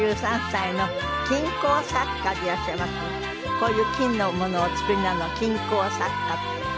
こういう金のものをお作りになるのを金工作家と。